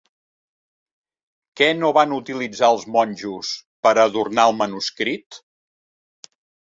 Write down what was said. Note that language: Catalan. Què no van utilitzar els monjos per adornar el manuscrit?